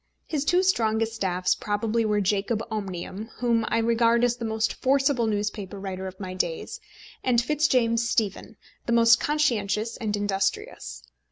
His two strongest staffs probably were "Jacob Omnium," whom I regard as the most forcible newspaper writer of my days, and Fitz James Stephen, the most conscientious and industrious.